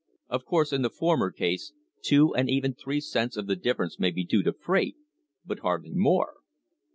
Of course, in the former case, two or even three cents of the difference may be due to freight, but hardly more.